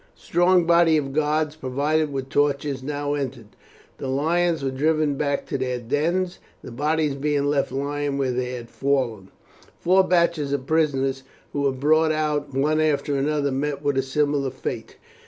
A strong body of guards provided with torches now entered. The lions were driven back to their dens, the bodies being left lying where they had fallen. Four batches of prisoners who were brought out one after another met with a similar fate.